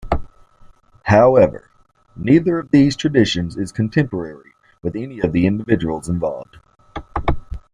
However, neither of these traditions is contemporary with any of the individuals involved.